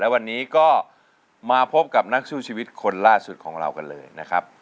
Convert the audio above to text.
วันนี้ก็มาพบกับนักสู้ชีวิตคนล่าสุดของเรากันเลยนะครับ